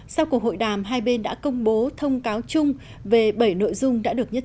sau cuộc hội đàm hai bên đã công bố thông cáo chung về bảy nội dung đã được nhất trí